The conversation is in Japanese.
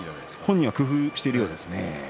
本人も工夫しているようですね。